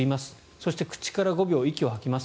そして口から５秒息を吐きます